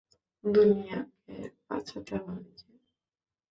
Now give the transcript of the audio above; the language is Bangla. দুনিয়াকে বাঁচাতে হবে যে!